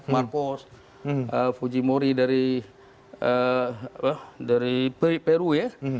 marcos fujimori dari peru ya